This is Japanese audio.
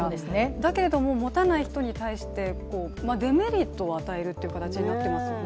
だけれども、持たない人に対して、デメリットを与えるっていう形になっていますよね。